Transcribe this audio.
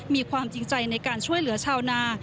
มีความจริงใจในการช่วยเหลือชาวนา